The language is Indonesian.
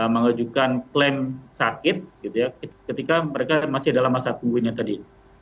mengajukan klaim sakit ketika mereka masih dalam masa tunggunya tadi